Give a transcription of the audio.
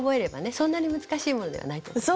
そんなに難しいものではないと思います。